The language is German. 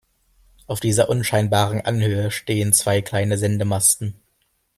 Auf dieser unscheinbaren Anhöhe stehen zwei kleine Sendemasten.